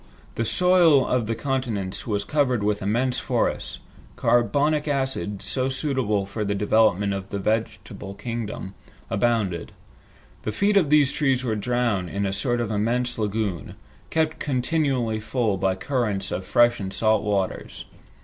The soil of the continents was covered with immense forests. Carbonic acid, so suitable for the development of the vegetable kingdom, abounded. The feet of these trees were drowned in a sort of immense lagoon, kept continually full by currents of fresh and salt waters.